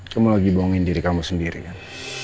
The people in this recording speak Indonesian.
cuma lagi bohongin diri kamu sendiri kan